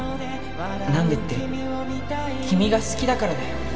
何でって君が好きだからだよ